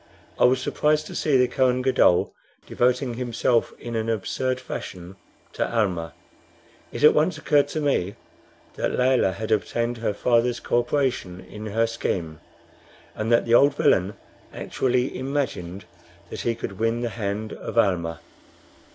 I was surprised to see the Kohen Gadol devoting himself in an absurd fashion to Almah. It at once occurred to me that Layelah had obtained her father's co operation in her scheme, and that the old villain actually imagined that he could win the hand of Almah.